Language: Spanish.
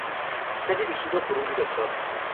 Está dirigido por un director.